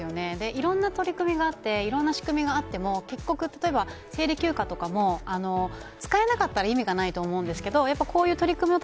いろんな取り組みがあっていろんな仕組みがあっても結局、例えば生理休暇とかも使えなかったら意味がないと思うんですけどこういう取り組みを